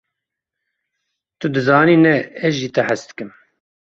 Tu dizanî ne, ez ji te hez dikim.